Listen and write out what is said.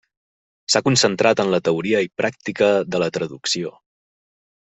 S'ha concentrat en la teoria i pràctica de la traducció.